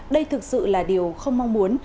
đây thực sự là điều không mong muốn